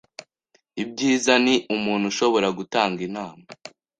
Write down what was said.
Ibyiza ni umuntu ushobora gutanga inama;